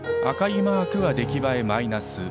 赤いマークは出来栄えマイナス。